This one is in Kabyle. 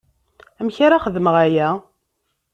Amek ara xedmeɣ aya?